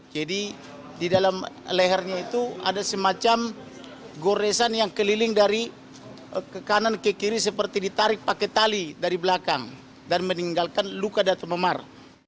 jadi di dalam lehernya itu ada semacam goresan yang keliling dari ke kanan ke kiri seperti ditarik pakai tali dari belakang dan meninggalkan luka datang memar